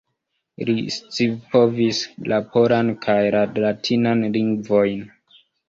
Li scipovis la polan kaj la latinan lingvojn.